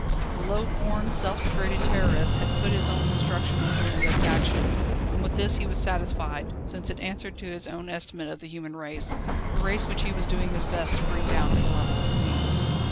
The low born, self degraded Terrorist had put his own construction on Juliette's action, and with this he was satisfied, since it answered to his own estimate of the human race, the race which he was doing his best to bring down to the level of the beast.